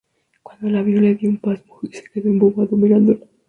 Cuando la vio le dio un pasmo y se quedó embobado mirándola